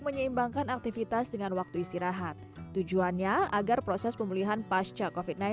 menyeimbangkan aktivitas dengan waktu istirahat tujuannya agar proses pemulihan pasca covid sembilan belas